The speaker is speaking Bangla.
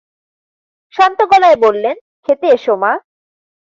শান্ত গলায় বললেন, খেতে এস মা।